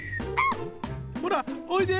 ほらおいで！